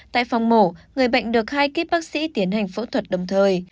tại phòng mổ người bệnh được hai kíp bác sĩ tiến hành phẫu thuật đồng thời